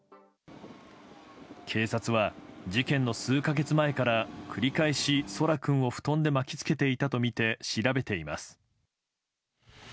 警察は事件の数か月前から繰り返し奏良君を布団で巻きつけていたとみて調べています。